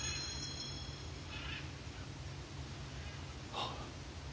あっ。